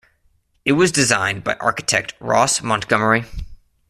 It was designed by architect Ross Montgomery.